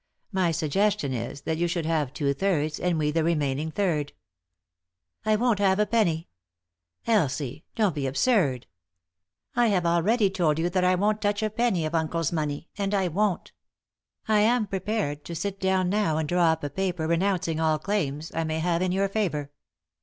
My sugges tion is that you should have two thirds and we the rem ainin g third." " I won't have a penny." " Elsie I— don't be absurd." " I have already told you that I won't touch a penny of uncle's money ; and I won't. I am prepared to sit down now and draw up a paper renouncing all claims I may have in your favour."